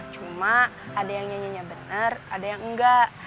cuma ada yang nyanyinya benar ada yang enggak